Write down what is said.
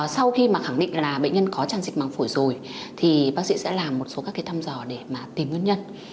sau khi mà khẳng định là bệnh nhân có tràn dịch măng phổi rồi thì bác sĩ sẽ làm một số các cái thăm dò để mà tìm nguyên nhân